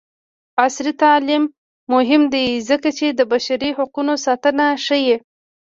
عصري تعلیم مهم دی ځکه چې د بشري حقونو ساتنه ښيي.